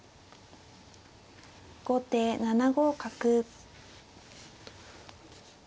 後手７五角。